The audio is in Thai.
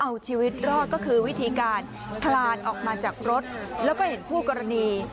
ดิจลอดก็คือวิธีการคลานออกมาจากรถแล้วก็เห็นผู้กรณี